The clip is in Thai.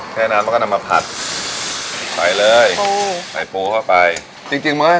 แค่นั้นแล้วก็นำมาผัดใส่เลยปูใส่ปูเข้าไปจริงจริงไหม